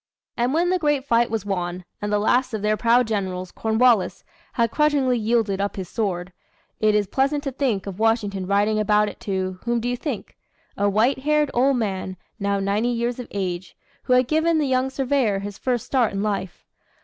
And when the great fight was won, and the last of their proud generals, Cornwallis, had grudgingly yielded up his sword it is pleasant to think of Washington writing about it to whom do you think? a white haired old man now ninety years of age, who had given the young surveyor his first start in life.